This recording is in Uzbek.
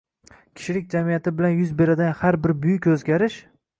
Kishilik jamiyati bilan yuz beradigan har bir buyuk o‘zgarish